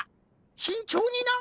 しんちょうにな。